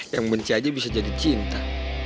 yang benci aja bisa jadi cinta